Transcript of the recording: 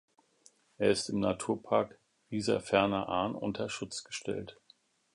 Er ist im Naturpark Rieserferner-Ahrn unter Schutz gestellt.